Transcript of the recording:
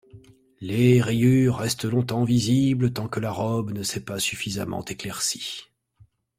Les rayures restent longtemps visibles tant que la robe ne s'est pas suffisamment éclaircies.